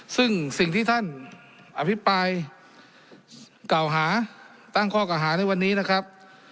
ซึ่งสิ่งที่ท่านอภิปรายเก่าหาตั้งข้อเก่าหาในวันนี้นะครับ